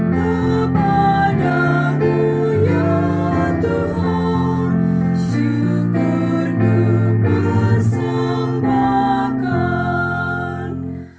kepadamu ya tuhan syukur ku bersembahkan